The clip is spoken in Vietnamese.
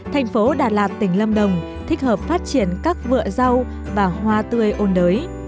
thành phố đà lạt tỉnh lâm đồng thích hợp phát triển các vựa rau và hoa tươi ôn đới